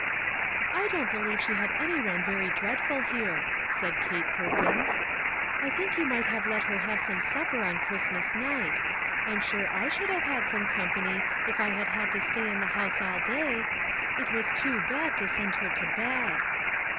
" I don't believe she had any one very dread ful here," said Kate Perkins. " I think you might have let her have some supper on Christ mas night. I'm sure I should have had some company if I had had to stay in the house all day. It was too bad to send her to bed."